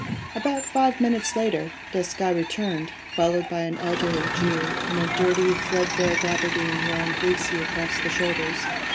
About five minutes later, Desgas returned, followed by an elderly Jew, in a dirty, threadbare gaberdine, worn greasy across the shoulders.